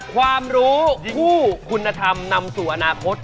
ความรู้ผู้คุณธรรมนำสู่อนาคต